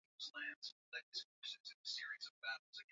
Jacob alitokea akiwa na bastola mbli